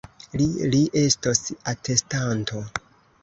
Li, li estos atestanto!